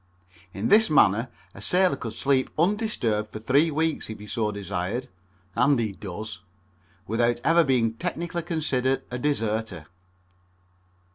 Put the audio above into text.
In this manner a sailor could sleep undisturbed for three weeks if he so desired (and he does), without ever being technically considered a deserter.